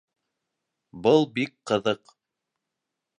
—Был бик ҡыҙыҡ.